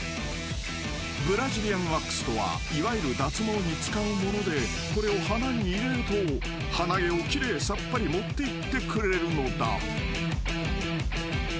［ブラジリアンワックスとはいわゆる脱毛に使うものでこれを鼻に入れると鼻毛を奇麗さっぱり持っていってくれるのだ］